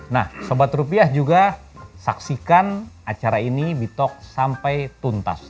nah sobat rupiah juga saksikan acara ini di talk sampai tuntas